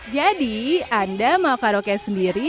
anda mau karaoke sendiri